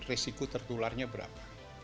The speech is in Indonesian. risiko tertularnya berapa